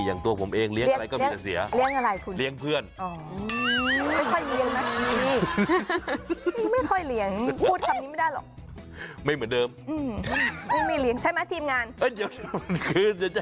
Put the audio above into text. อย่างตัวผมเองเลี้ยงอะไรก็ไม่จะเสียเลี้ยงอะไรคุณ